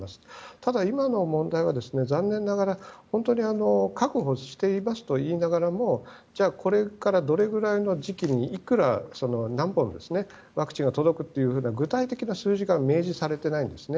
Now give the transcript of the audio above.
ただ、今の問題は残念ながら確保していますといいながらもじゃあ、これからどれくらいの時期に何本ワクチンが届くという具体的な数字が明示されていないんですね。